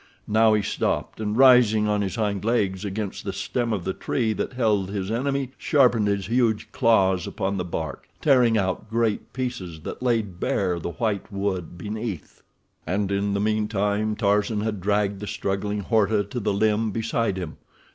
Now he stopped, and, rising on his hind legs against the stem of the tree that held his enemy, sharpened his huge claws upon the bark, tearing out great pieces that laid bare the white wood beneath. And in the meantime Tarzan had dragged the struggling Horta to the limb beside him.